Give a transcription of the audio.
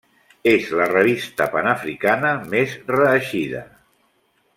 És la revista panafricana més reeixida.